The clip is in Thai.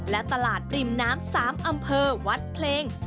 และตลาดริมน้ำ๓อำเภอวัดเพลง